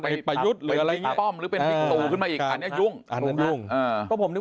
ไปประยุทธ์หรืออะไรอย่างนี้